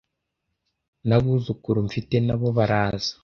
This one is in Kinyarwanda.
n'abuzukuru mfite nabo baraza